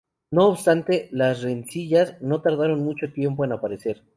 No obstante, las rencillas no tardaron mucho tiempo en aparecer.